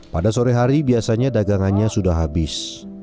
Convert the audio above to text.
pada sore hari biasanya dagangannya sudah habis